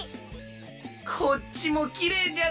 こっちもきれいじゃの。